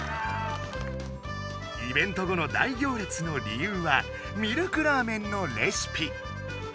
イベント後の大行列の理由はミルクラーメンのレシピ！